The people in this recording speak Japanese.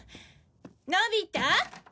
のび太！